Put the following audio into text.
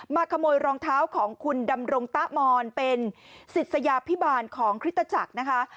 ขโมยรองเท้าของคุณดำรงตะมอนเป็นศิษยาพิบาลของคริสตจักรนะคะ